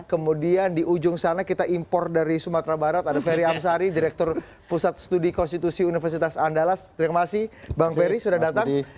kemudian di ujung sana kita impor dari sumatera barat ada ferry amsari direktur pusat studi konstitusi universitas andalas terima kasih bang ferry sudah datang